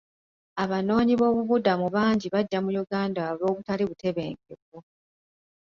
Abanoonyiboobubudamu bangi bajja mu Uganda olw'obutali butebenkevu.